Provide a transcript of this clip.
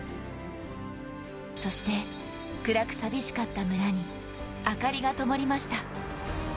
そして暗くさみしかった村に明かりがともりました。